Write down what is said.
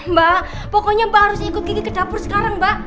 mbak pokoknya mbak harus ikut gigi ke dapur sekarang mbak